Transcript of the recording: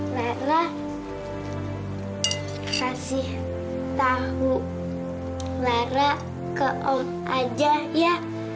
lara kasih tahu lara ke om aja ya